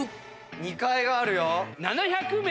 ２階があるよ。